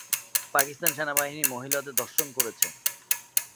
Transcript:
পাকিস্তান সেনাবাহিনী মহিলাদের ধর্ষণ করেছে।